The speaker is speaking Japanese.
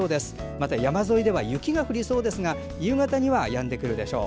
また山沿いは雪が降りそうですが夕方からはやんでくるでしょう。